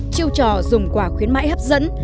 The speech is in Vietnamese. chiêu trò dùng quà khuyến mại hấp dẫn